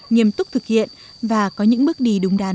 nghiêm túc thực hiện và có những bước đi đúng đắn